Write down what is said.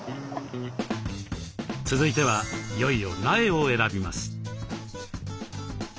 続いてはいよいよ苗を選びます。